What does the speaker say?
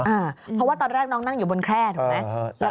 เพราะว่าตอนแรกน้องนั่งอยู่บนแคร่ถูกไหม